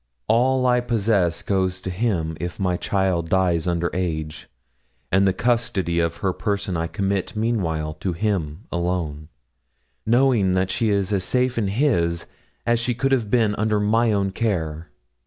All I possess goes to him if my child dies under age; and the custody of her person I commit meanwhile to him alone, knowing that she is as safe in his as she could have been under my own care.